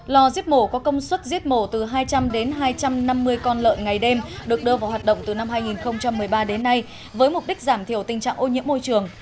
lò giếp mổ có công suất giếp mổ từ hai trăm linh đến hai trăm năm mươi con lợn ngày đêm được đưa vào hoạt động từ năm hai nghìn một mươi ba đến nay với mục đích giảm thiểu tình trạng ô nhiễm môi trường